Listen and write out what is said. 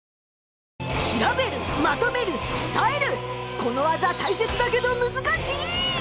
この技大切だけどむずかしい！